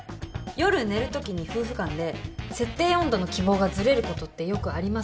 夜寝るときに夫婦間で設定温度の希望がずれることってよくありますから。